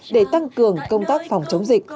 để tăng cường công tác phòng chống dịch